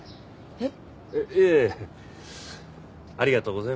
えっ？